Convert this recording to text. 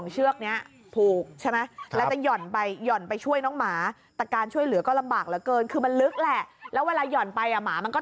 ชาวบ้านคงได้ยินเสียงก่อนแล้วนะ